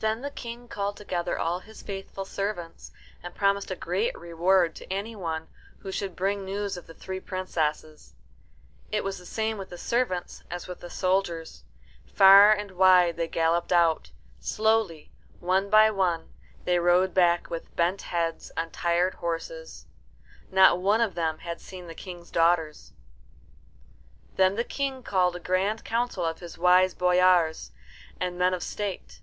Then the King called together all his faithful servants, and promised a great reward to any one who should bring news of the three princesses. It was the same with the servants as with the soldiers. Far and wide they galloped out. Slowly, one by one, they rode back, with bent heads, on tired horses. Not one of them had seen the King's daughters. Then the King called a grand council of his wise boyars and men of state.